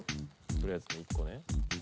取りあえず１個ね。